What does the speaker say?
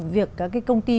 việc các cái công ty